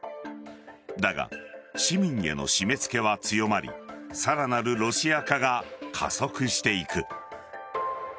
だが、市民への締め付けは強まりさらなるロシア化が加速していく。